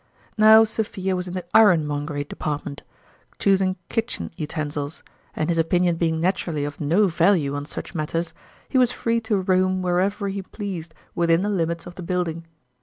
Now Sophia was in the ironmongery de partment, choosing kitchen utensils, and his opinion being naturally of no value on such matters, he was free to roam wherever he 4 50 (Eonrmalin's ime pleased within the limits of the building.